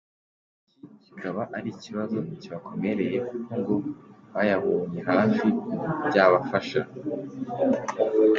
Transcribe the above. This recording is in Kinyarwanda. Iki kikaba ari ikibazo kibakomereye kuko ngo bayabonye hafi byabafasha.